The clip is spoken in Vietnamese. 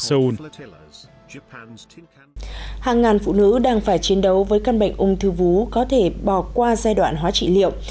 seoul phụ nữ đang phải chiến đấu với căn bệnh ung thư vú có thể bỏ qua giai đoạn hóa trị liệu